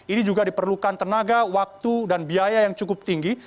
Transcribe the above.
ini juga diperlukan tenaga waktu dan biaya yang cukup tinggi